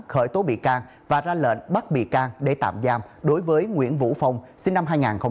khởi tố bị can và ra lệnh bắt bị can để tạm giam đối với nguyễn vũ phong sinh năm hai nghìn